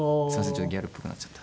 ちょっとギャルっぽくなっちゃった。